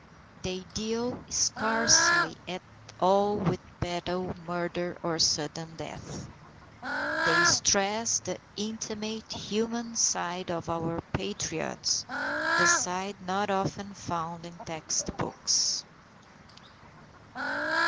They deal scarcely at all with battle, murder, or sudden death. They stress the intimate, human side of our Patriots, the side not often found in textbooks.